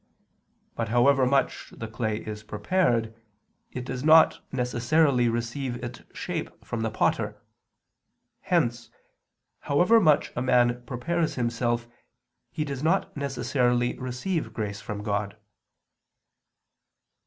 But however much the clay is prepared, it does not necessarily receive its shape from the potter. Hence, however much a man prepares himself, he does not necessarily receive grace from God.